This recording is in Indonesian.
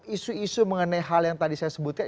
isu isu mengenai hal yang tadi saya sebutkan